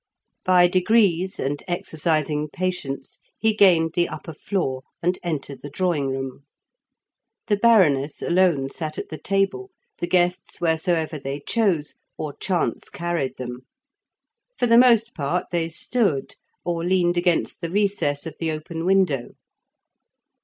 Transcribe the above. By degrees, and exercising patience, he gained the upper floor and entered the drawing room. The Baroness alone sat at the table, the guests wheresoever they chose, or chance carried them; for the most part they stood, or leaned against the recess of the open window.